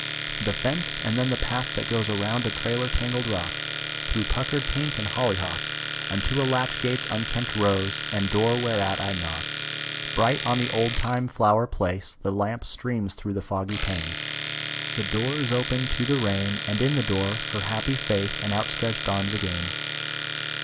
The fence; and then the path that goes Around a trailer tangled rock, Through puckered pink and hollyhock, Unto a latch gate's unkempt rose, And door whereat I knock. Bright on the oldtime flower place The lamp streams through the foggy pane; The door is opened to the rain: And in the door her happy face And outstretched arms again.